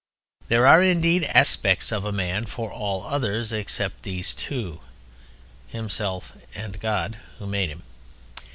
There are indeed "aspects" of a man for all others except these two, himself and God Who made him.